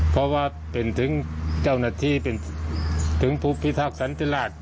เพราะว่าเป็นถึงเจ้าหน้าที่เป็นถึงภูภิษฐกษัตริย์ตลาด